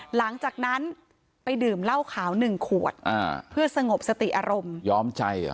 หลังจากนั้นไปดื่มเหล้าขาว๑ขวดเพื่อสงบสติอารมณ์